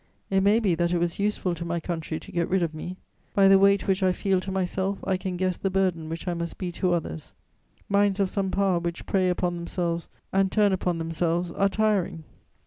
It may be that it was useful to my country to get rid of me: by the weight which I feel to myself, I can guess the burden which I must be to others. Minds of some power which prey upon themselves and turn upon themselves are tiring.